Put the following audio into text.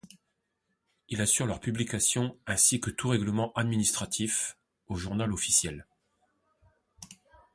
Il assure leur publication, ainsi que tout règlement administratif, au Journal officiel.